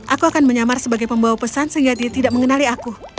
aku akan menyamar sebagai pembawa pesan sehingga dia tidak mengenali aku